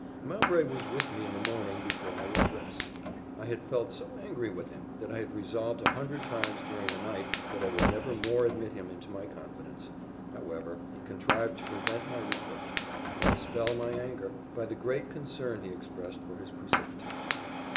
Mowbray was with me in the morning before I was dressed. I had felt so angry with him, that I had resolved a hundred times during the night that I would never more admit him into my confidence however, he contrived to prevent my reproaches, and dispel my anger, by the great concern he expressed for his precipitation.